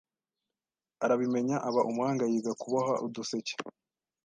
Arabimenya aba umuhanga. Yiga kuboha uduseke